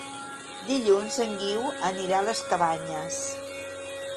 Dilluns en Guiu anirà a les Cabanyes.